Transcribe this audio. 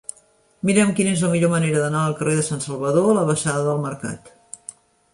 Mira'm quina és la millor manera d'anar del carrer de Sant Salvador a la baixada del Mercat.